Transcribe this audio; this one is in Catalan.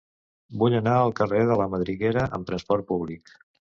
Vull anar al carrer de la Madriguera amb trasport públic.